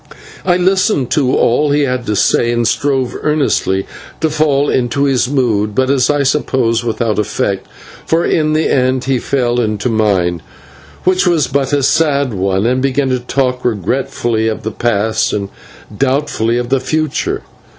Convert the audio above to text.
I listened to all he had to say, and strove earnestly to fall into his mood, but, as I suppose, without effect, for in the end he fell into mine, which was but a sad one, and began to talk regretfully of the past and doubtfully of the future.